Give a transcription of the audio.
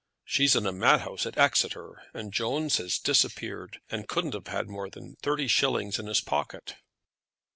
She's in a madhouse at Exeter; and Jones has disappeared, and couldn't have had more than thirty shillings in his pocket."